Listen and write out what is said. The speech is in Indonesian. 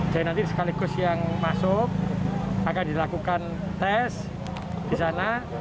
jadi nanti sekaligus yang masuk akan dilakukan tes di sana